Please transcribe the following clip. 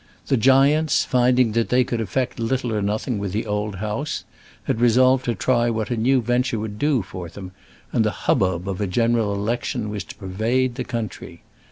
The giants, finding that they could effect little or nothing with the old House, had resolved to try what a new venture would do for them, and the hubbub of a general election was to pervade the country.